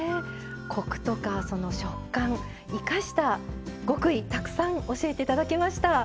コクとか食感生かした極意、たくさん教えていただきました。